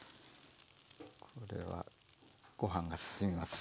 これはご飯がすすみます。